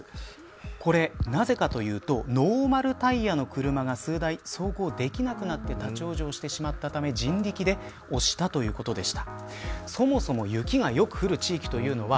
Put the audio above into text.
これ、なぜかというとノーマルタイヤの車が数台走行できなくなって立ち往生してしまったため人力で押したということでした。